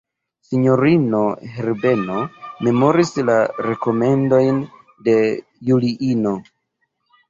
Sinjorino Herbeno memoris la rekomendojn de Juliino.